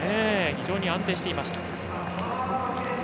非常に安定していました。